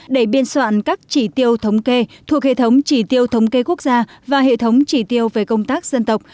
để biên soạn các chỉ tiêu thống kê thuộc hệ thống chỉ tiêu thống kê quốc gia và hệ thống chỉ tiêu về công tác dân tộc